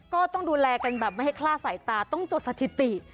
ก็ทหักต้องดูแลกันปะไม่ให้คล่าใสตาต้องจดสถิติ